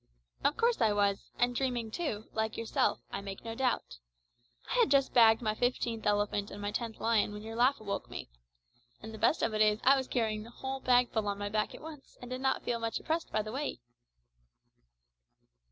"Of course I was, and dreaming too, like yourself, I make no doubt. I had just bagged my fifteenth elephant and my tenth lion when your laugh awoke me. And the best of it is that I was carrying the whole bagful on my back at once, and did not feel much oppressed by the weight."